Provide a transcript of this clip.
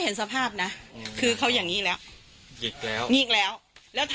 ปล่องใช่ไปเลย